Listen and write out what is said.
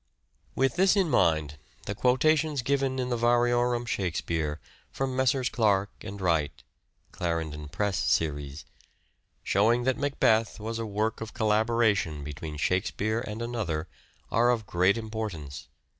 With this in mind, the quotations given in the " Variorum Shakespeare " from Messrs. Clark and Wright (Clarendon Press Series) showing that " Macbeth " was a work of collaboration between Shakespeare and another are of great importance.